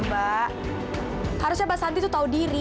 mbak kok diem aja sih